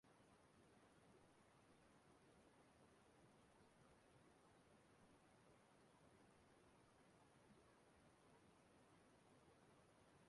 Enweela iwu kagburu ibe ụmụnwaanyi ugwu n’ọtụtụ mba, mana anaghị etinye iwu ndị ahụ n’ọrụ.